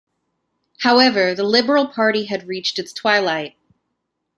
However, the Liberal Party had reached its twilight.